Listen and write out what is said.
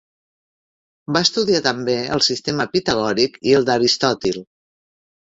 Va estudiar també el sistema pitagòric i el d'Aristòtil.